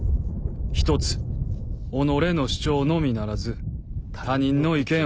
一つ己の主張のみならず他人の意見を褒めよ」。